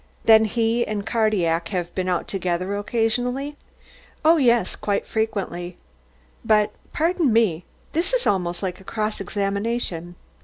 "Then he and Cardillac have been out together occasionally?" "Oh, yes, quite frequently. But pardon me this is almost like a cross examination."